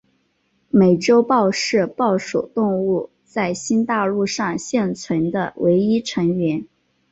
美洲豹是豹属动物在新大陆上现存的唯一成员。